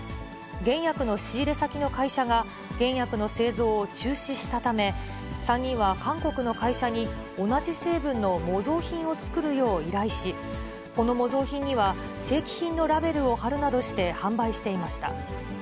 原薬の仕入れ先の会社が、原薬の製造を中止したため、３人は韓国の会社に同じ成分の模造品を作るよう依頼し、この模造品には正規品のラベルを貼るなどして販売していました。